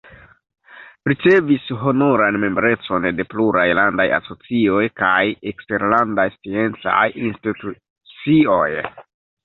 Ricevis honoran membrecon de pluraj landaj asocioj kaj de eksterlandaj sciencaj institucioj.